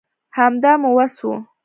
همدا مو وس وو